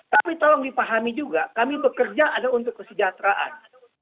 tapi tolong dipahami juga kami bekerja ada untuk kesejahteraan